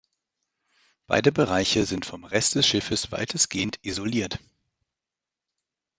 Beide Bereiche sind vom Rest des Schiffes weitestgehend isoliert.